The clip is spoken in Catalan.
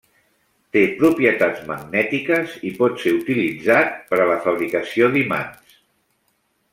Té propietats magnètiques i pot ser utilitzat per a la fabricació d'imants.